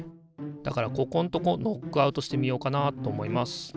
だからここんとこノックアウトしてみようかなと思います。